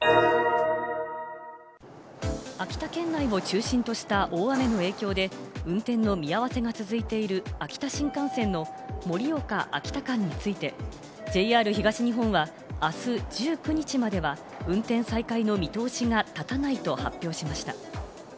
秋田県内を中心とした大雨の影響で、運転の見合わせが続いている秋田新幹線の盛岡−秋田間についてＪＲ東日本はあす１９日までは、運転再開の見通しが立たないと発表しました。